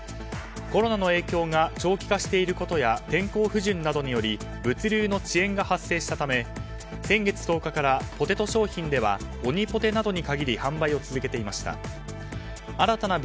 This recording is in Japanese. コロナの影響が長期化していることや天候不順などにより物流の遅延が発生したため先月１０日からポテト商品ではオニポテなどに限り販売を続けていました。